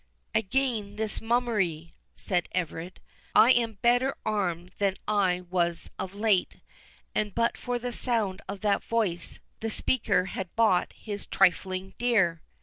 "Again this mummery!" said Everard. "I am better armed than I was of late; and but for the sound of that voice, the speaker had bought his trifling dear."